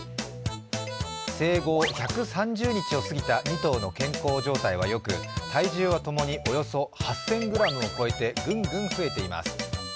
生後１３０日を過ぎた２頭の健康状態はよく体重はともにおよそ８０００ｇを超えてぐんぐん増えています。